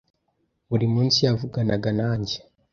Buri munsi yavuganaga nanjye.